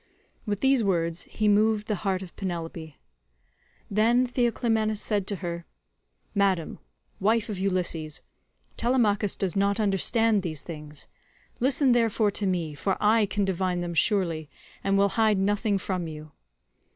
With these words he moved the heart of Penelope. Then Theoclymenus said to her: "Madam, wife of Ulysses, Telemachus does not understand these things; listen therefore to me, for I can divine them surely, and will hide nothing from you.